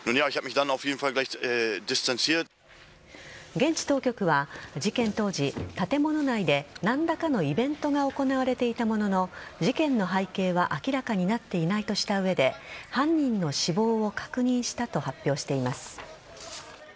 現地当局は事件当時建物内で何らかのイベントが行われていたものの事件の背景は明らかになっていないとした上で犯人の死亡を確認したと発表しています。